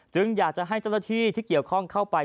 อยากจะให้เจ้าหน้าที่ที่เกี่ยวข้องเข้าไป